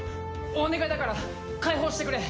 お願いだから解放してくれ。